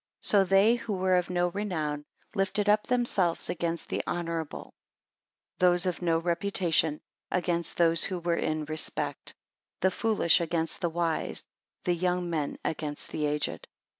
3 So they who were of no renown, lifted up themselves against the honourable; those of no reputation against those who were in respect; the foolish against the wise; the young men against the aged.